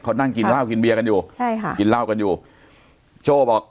เขานั่งกินเหล้ากินเบียร์กันอยู่ใช่ค่ะกินเหล้ากันอยู่โจ้บอก